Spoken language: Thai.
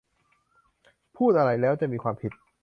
พูดอะไรแล้วจะมีความผิด